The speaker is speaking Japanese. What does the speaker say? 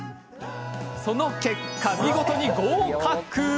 その結果、見事に合格。